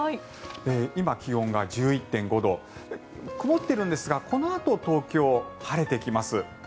今、気温が１１．５度。曇っているんですがこのあと東京晴れていきます。